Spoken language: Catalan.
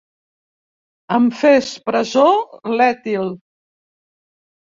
Em fes presó l'Etil.